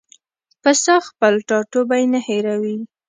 پسه خپل ټاټوبی نه هېروي.